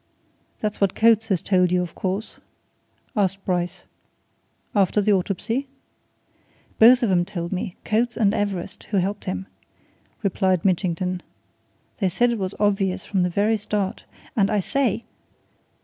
"That's what Coates has told you, of course?" asked Bryce. "After the autopsy?" "Both of 'em told me Coates, and Everest, who helped him," replied Mitchington. "They said it was obvious from the very start. And I say!"